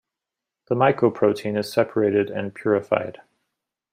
The mycoprotein is separated and purified.